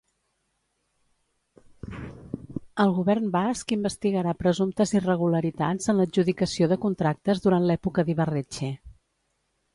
El govern basc investigarà presumptes irregularitats en l'adjudicació de contractes durant l'època d'Ibarretxe.